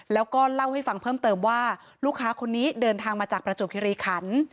แล้วก็เล่าให้ฟังเพิ่มเติมว่าลูกค้าคนนี้เดินทางมาจากประจวบคิริขัน